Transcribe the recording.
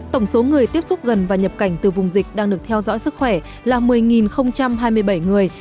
tổng số người tiếp xúc gần và nhập cảnh từ vùng dịch đang được theo dõi sức khỏe là một mươi hai mươi bảy người